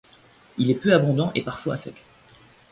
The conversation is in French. Il est peu abondant et parfois à sec.